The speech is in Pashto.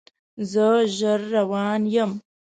زه ژر روان یم